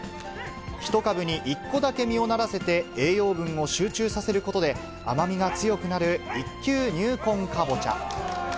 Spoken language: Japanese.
１株に１個だけ実をならせて栄養分を集中させることで、甘みが強くなる一球入魂かぼちゃ。